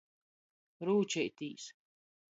Rūčeitīs.